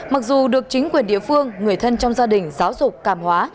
mặc dù được chính quyền địa phương người thân trong gia đình giáo dục cảm hóa